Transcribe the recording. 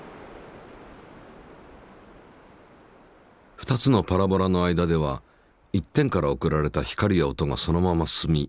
２つのパラボラの間では一点から送られた光や音がそのまま進み